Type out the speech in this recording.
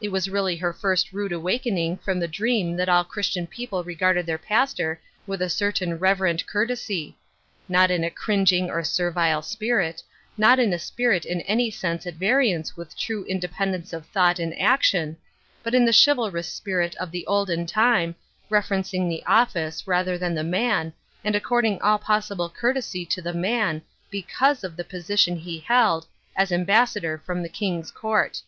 It was really her fiist rude awakening from the dream that all Christian people regarded their pastor with a certain reverent courtesy ; not in a cring ing or servile spirit, not in a spirit in any sense 15G Ruth Erskines Crosses, Sit variance with true independence of thought and action, but in the chivalrous spirit of the olden time, reverencing the office, rather than tne man, and according all possible courtesy to tne man, because of the position he held, as ambassador from the King's court.